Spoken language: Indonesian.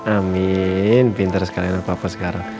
amin bintar sekali anak papa sekarang